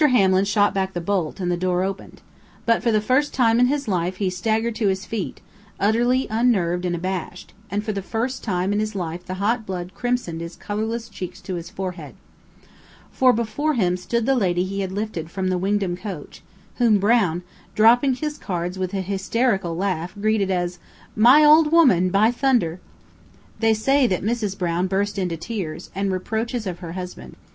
Hamlin shot back the bolt, and the door opened. But, for the first time in his life, he staggered to his feet, utterly unnerved and abashed, and for the first time in his life the hot blood crimsoned his colorless cheeks to his forehead. For before him stood the lady he had lifted from the Wingdam coach, whom Brown dropping his cards with a hysterical laugh greeted as: "My old woman, by thunder!" They say that Mrs. Brown burst into tears, and reproaches of her husband.